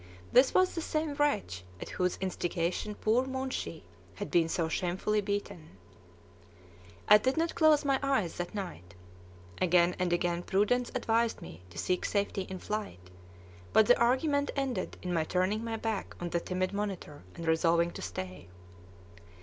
This was the same wretch at whose instigation poor Moonshee had been so shamefully beaten. I did not close my eyes that night. Again and again prudence advised me to seek safety in flight, but the argument ended in my turning my back on the timid monitor, and resolving to stay.